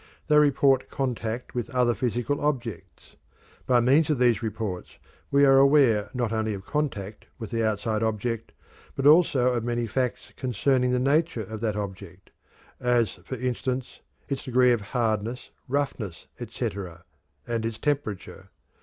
They report contact with other physical objects. By means of these reports we are aware not only of contact with the outside object, but also of many facts concerning the nature of that object, as for instance, its degree of hardness, roughness, etc., and its temperature.